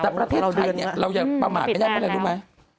แต่ประเทศไทยนี่เราอย่างประมาณไม่ได้ประมาณนี้รู้ไหม